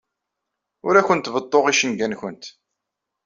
Ur awent-beḍḍuɣ icenga-nwent.